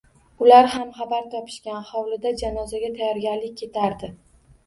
Ular ham xabar topishgan, hovlida janozaga tayyorgarlik ketardi